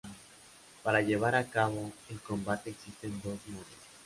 Para llevar a cabo el combate existen dos modos.